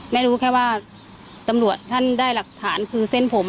รู้แค่ว่าตำรวจท่านได้หลักฐานคือเส้นผม